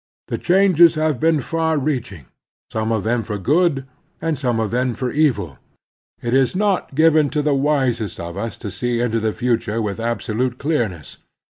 The changes have been far reaching; some of them for good, and some of them for evil. It is not given to the wisest of us to see into the future with absolute clearness.